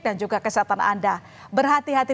dan juga kesehatan anda berhati hati